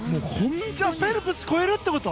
フェルプス超えるってこと？